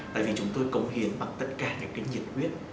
tại vì chúng tôi cống hiến bằng tất cả những nhiệt quyết